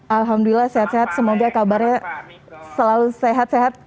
alhamdulillah sehat sehat semoga kabarnya selalu sehat sehat